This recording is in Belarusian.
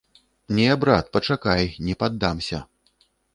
Не, брат, пачакай, не паддамся.